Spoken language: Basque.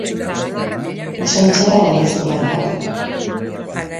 Usain txarra darizu, barkatu.